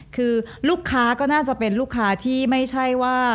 คือลูกค้าก็น่าจะเป็นลูกค้าที่ไม่ใช่ว่า